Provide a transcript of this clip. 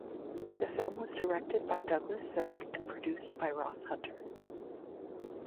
The film was directed by Douglas Sirk and produced by Ross Hunter.